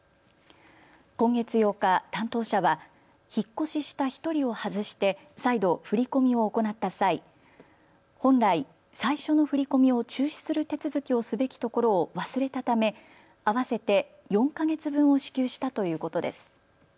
今月８日、担当者は引っ越しした１人を外して再度振り込みを行った際、本来、最初の振り込みを中止する手続きをすべきところを忘れたため合わせて４か月分を支給したということです。